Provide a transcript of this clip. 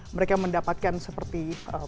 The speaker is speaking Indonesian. mereka mendapatkan seperti